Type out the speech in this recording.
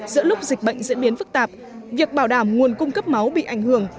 giữa lúc dịch bệnh diễn biến phức tạp việc bảo đảm nguồn cung cấp máu bị ảnh hưởng